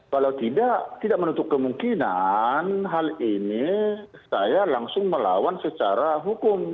kalau tidak tidak menutup kemungkinan hal ini saya langsung melawan secara hukum